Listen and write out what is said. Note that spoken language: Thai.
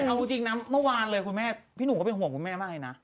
เอาจริงนะเมื่อวานเลยคุณแม่พี่หนุ่มก็เป็นห่วงคุณแม่มากเลยนะ